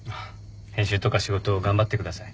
編集とか仕事頑張ってください。